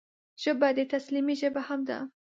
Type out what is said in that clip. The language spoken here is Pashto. ژبه د تسلیمۍ ژبه هم ده